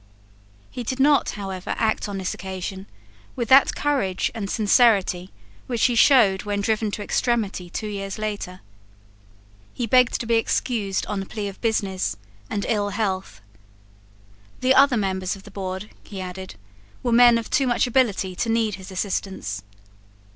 He did not, however, act on this occasion with that courage and sincerity which he showed when driven to extremity two years later. He begged to be excused on the plea of business and ill health. The other members of the board, he added, were men of too much ability to need his assistance.